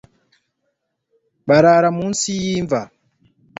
Barara munsi yimva